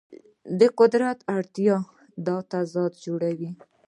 د قدرت اړتیا دا تضاد جوړوي.